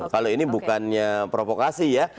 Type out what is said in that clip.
kalau ini bukannya provokasi ya